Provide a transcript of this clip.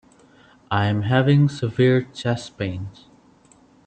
I am having severe chest pains.